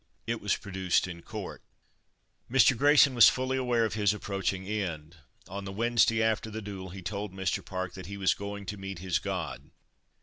It was produced in court. Mr. Grayson was fully aware of his approaching end. On the Wednesday after the duel, he told Mr. Park that "he was going to meet his God."